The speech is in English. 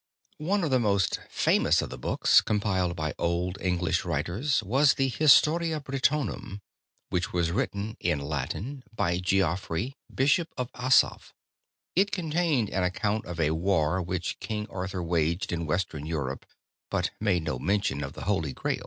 One of the most famous of the books compiled by old English writers was the "Historia Britonum," which was written (in Latin) by Geoffrey, Bishop of Asaph. It contained an account of a war which King Arthur waged in Western Europe, but made no mention of the Holy Grail.